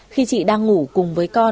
khi chị đang ngủ cùng với con